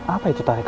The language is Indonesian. apa itu tarikat guru